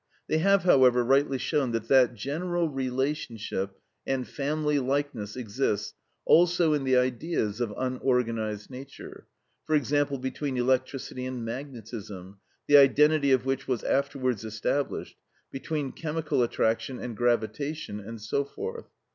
They have, however, rightly shown that that general relationship and family likeness exists also in the Ideas of unorganised nature; for example, between electricity and magnetism, the identity of which was afterwards established; between chemical attraction and gravitation, and so forth.